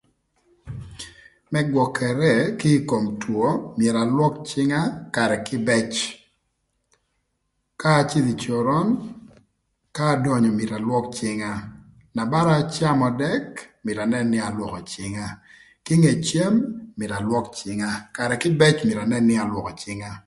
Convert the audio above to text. Më gwökërë kï ï kom two myero alwök cïnga karë kïbëc ka acïdhï ï coron ka adonyo myero alwök cïnga na bara acamö dëk mïtö anën nï alwökö cïnga. Kinge cem myero alwök cïnga karë kïbëc myero anën nï alwökö cïnga